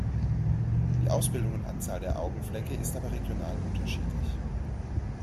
Die Ausbildung und Anzahl der Augenflecke ist aber regional unterschiedlich.